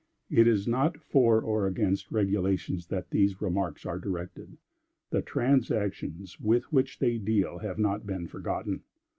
It is not for or against regulations that these remarks are directed. The transactions with which they deal have not been forgotten.